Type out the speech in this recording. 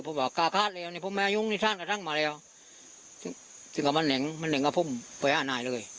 ผมบอกกาฆาตแล้วนี่ผมมายุ่งนี่ท่านกระทั่งมาแล้วซึ่งก็มันแหลงมันแหลงกับผมไปอาหร่ายเลย